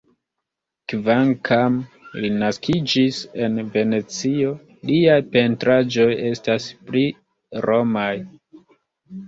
Kvankam li naskiĝis en Venecio, liaj pentraĵoj estas pli romaj.